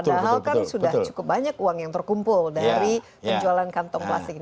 padahal kan sudah cukup banyak uang yang terkumpul dari penjualan kantong plastik ini